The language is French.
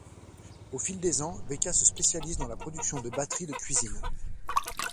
Au fil des ans, Beka se spécialise dans la production de batteries de cuisine.